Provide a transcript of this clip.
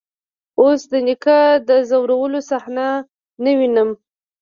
اوس د نيکه د ځورولو صحنه نه وينم.